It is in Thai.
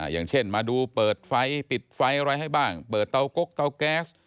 อย่างเช่นมาดูเปิดไฟปิดไฟอะไรให้บ้างเปิดเตากกเตาแก๊ส